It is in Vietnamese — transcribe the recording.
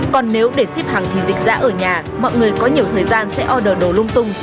còn nếu để ship hàng thì dịch ra ở nhà mọi người có nhiều thời gian sẽ order đồ lung tung